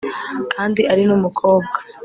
kandi ari numukobwa